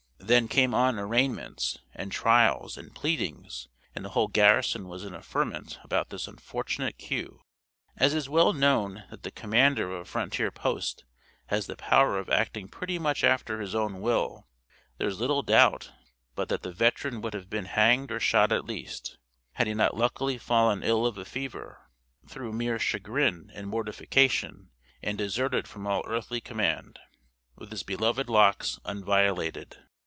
Then came on arraignments, and trials, and pleadings; and the whole garrison was in a ferment about this unfortunate queue. As it is well known that the commander of a frontier post has the power of acting pretty much after his own will, there is little doubt but that the veteran would have been hanged or shot at least, had he not luckily fallen ill of a fever, through mere chagrin and mortification and deserted from all earthly command, with his beloved locks unviolated.